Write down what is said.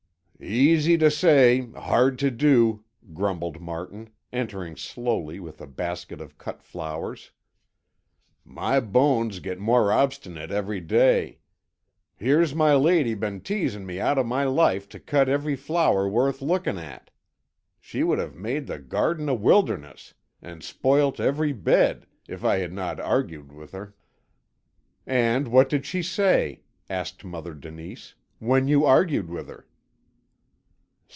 "Easy to say, hard to do," grumbled Martin, entering slowly with a basket of cut flowers. "My bones get more obstinate every day. Here's my lady been teasing me out of my life to cut every flower worth looking at. She would have made the garden a wilderness, and spoilt every bed, if I had not argued with her." "And what did she say," asked Mother Denise, "when you argued with her?"